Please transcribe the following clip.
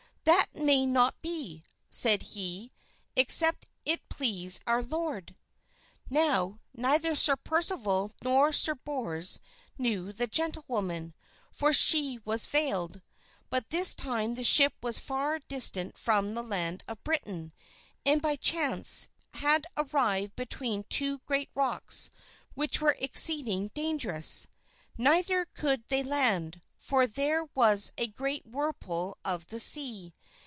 "That may not be," said he, "except it please our Lord." Now, neither Sir Percival nor Sir Bors knew the gentlewoman, for she was veiled. By this time the ship was far distant from the land of Britain, and, by chance, had arrived between two great rocks which were exceeding dangerous. Neither could they land, for there was a great whirlpool of the sea.